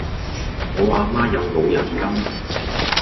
我阿媽有老人金